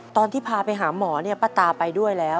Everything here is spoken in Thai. ตอนที่พาไปหาหมอเนี่ยป้าตาไปด้วยแล้ว